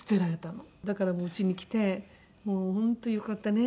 だからうちに来てもう本当よかったねって。